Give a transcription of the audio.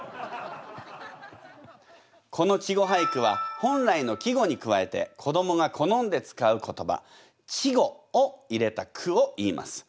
この稚語俳句は本来の季語に加えて子どもが好んで使う言葉稚語を入れた句をいいます。